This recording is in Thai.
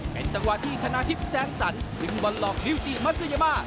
เป็นจังหวะที่ธนาทิพย์แสงสรรดึงบอลหลอกมิวจิมัสยามา